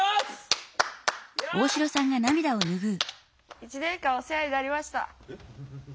１年間お世話になりました。